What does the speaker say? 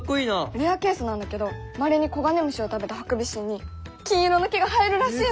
レアケースなんだけどまれに黄金虫を食べたハクビシンに金色の毛が生えるらしいの！